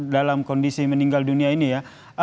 dalam kondisi meninggal dunia ini ya